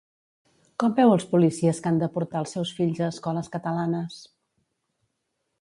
Com veu els policies que han de portar els seus fills a escoles catalanes?